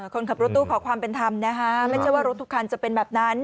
คนขับรถตู้ขอความเป็นธรรมนะคะไม่ใช่ว่ารถทุกคันจะเป็นแบบนั้น